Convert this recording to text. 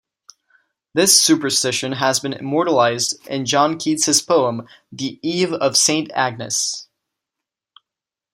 This superstition has been immortalised in John Keats's poem, The Eve of Saint Agnes.